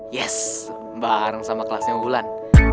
yes bareng sama kelasnya bulan